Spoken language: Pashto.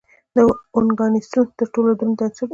د اوګانیسون تر ټولو دروند عنصر دی.